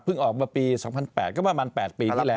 ออกมาปี๒๐๐๘ก็ประมาณ๘ปีที่แล้ว